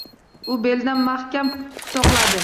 U belidan mahkam quchoqladi.